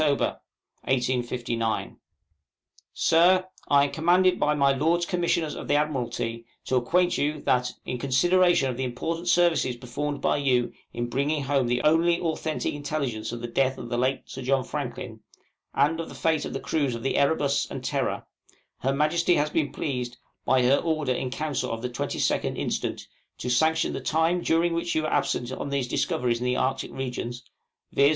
1859._ SIR, I am commanded by my Lords Commissioners of the Admiralty to acquaint you, that, in consideration of the important services performed by you in bringing home the only authentic intelligence of the death of the late Sir John Franklin, and of the fate of the crews of the 'Erebus' and 'Terror,' Her Majesty has been pleased, by her order in Council of the 22nd instant, to sanction the time during which you were absent on these discoveries in the Arctic Regions, viz.